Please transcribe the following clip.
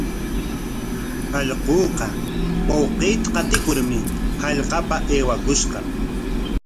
Allquuqa wawqiita qatikurmi hallqapa aywakushqa.